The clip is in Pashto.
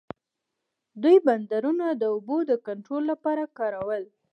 دوی بندرونه د اوبو د کنټرول لپاره کارول.